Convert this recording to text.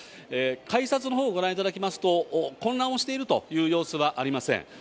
改札のほう、ご覧いただきますと、混乱をしているという様子はありません。